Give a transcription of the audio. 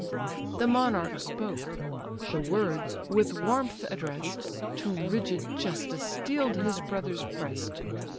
The monarch spoke; the words, with warmth address'd, To rigid justice steel'd his brother's breast.